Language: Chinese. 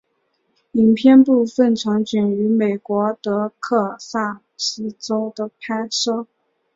影片部分场景于美国德克萨斯州的拍摄。